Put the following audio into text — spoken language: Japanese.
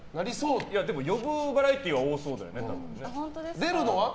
でも、呼ぶバラエティーは多そうだよね。